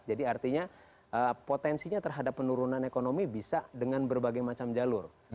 jadi artinya potensinya terhadap penurunan ekonomi bisa dengan berbagai macam jalur